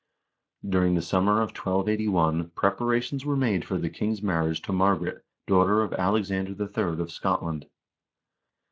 During the summer of 1281 preparations were made for the king's marriage to Margaret, daughter of Alexander III. of Scotland.